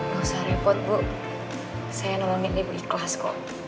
gak usah repot bu saya nemenin ibu ikhlas kok